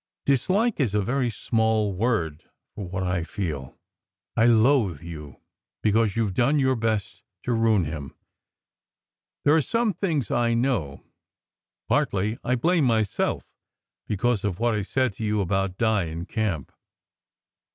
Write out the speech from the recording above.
Dislike is a very small word for what I feel. I loathe you, because you ve done your best to ruin him. There are some things I know. 156 SECRET HISTORY Partly, I blame myself because of what I said to you about Di in camp.